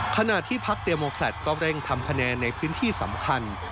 ขณะที่ภักดีโมคลัฒน์ก็เร่งทำแผนในพื้นที่สำคัญ